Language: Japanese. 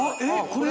これ。